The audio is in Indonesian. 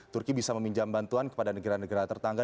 turki bisa meminjam bantuan kepada negara negara tetangga